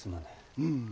うん。